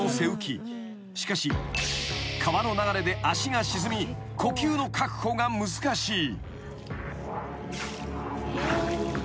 ［しかし川の流れで足が沈み呼吸の確保が難しい］